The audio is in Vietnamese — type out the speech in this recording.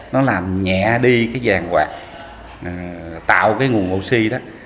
nó làm nhẹ đi cái giàn quạt tạo cái nguồn oxy đó